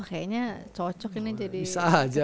kayaknya cocok ini jadi